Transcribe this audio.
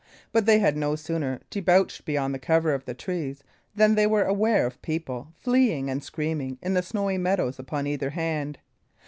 But they had no sooner debauched beyond the cover of the trees than they were aware of people fleeing and screaming in the snowy meadows upon either hand.